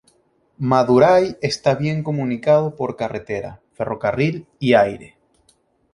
Madurai está bien comunicado por carretera, ferrocarril y aire.